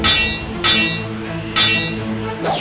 ini mah aneh